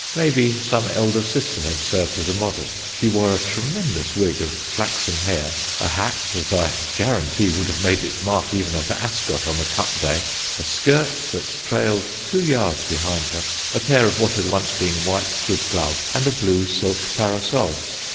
Maybe some elder sister had served as a model. She wore a tremendous wig of flaxen hair, a hat that I guarantee would have made its mark even at Ascot on the Cup Day, a skirt that trailed two yards behind her, a pair of what had once been white kid gloves, and a blue silk parasol.